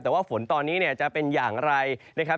แต่ว่าฝนตอนนี้เนี่ยจะเป็นอย่างไรนะครับ